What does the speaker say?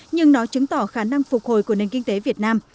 nhưng nó chứng tỏ khả năng phục hồi của nền kinh tế việt nam